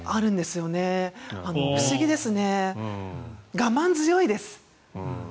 我慢強いです。